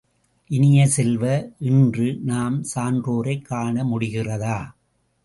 இனிய செல்வ, இன்று நாம் சான்றோரைக் காண முடிகிறதா?